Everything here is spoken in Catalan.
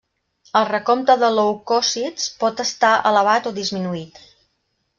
El recompte de leucòcits pot estar elevat o disminuït.